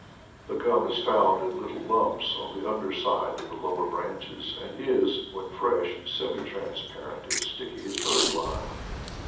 The gum is found in little lumps on the under side of the lower branches, and is, when fresh, semi transparent and sticky as bird lime.